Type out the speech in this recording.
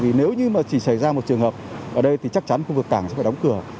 vì nếu như mà chỉ xảy ra một trường hợp ở đây thì chắc chắn khu vực cảng sẽ phải đóng cửa